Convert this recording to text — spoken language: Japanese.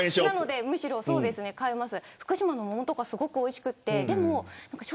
むしろ買います。